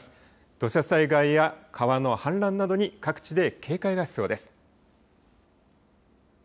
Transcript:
土砂災害や川の氾濫などに各地で警戒が必要です。